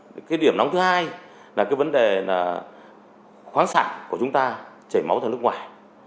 cái điểm nóng thứ hai là cái vấn đề khoáng sản của chúng ta chảy máu theo nước ngoài